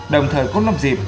đồng thời cũng làm dịp